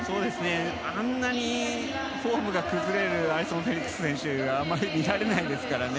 あんなにフォームが崩れるアリソン・フェリックス選手はあまり見られないですからね。